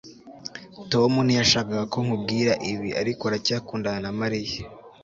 tom ntiyashakaga ko nkubwira ibi, ariko aracyakundana na mariya